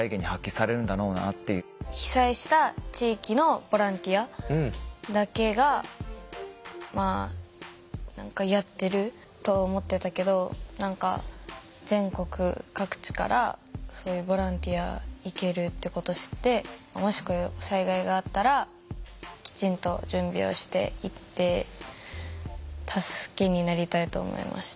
被災した地域のボランティアだけが何かやってると思ってたけど全国各地からそういうボランティア行けるってこと知ってもしこういう災害があったらきちんと準備をして行って助けになりたいと思いました。